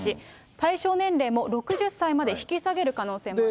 対象年齢も６０歳まで引き下げる可能性もあると。